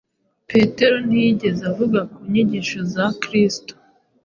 Petero ntiyigeze avuga ku nyigisho za Kristo